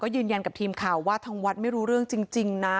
ยืนยันกับทีมข่าวว่าทางวัดไม่รู้เรื่องจริงนะ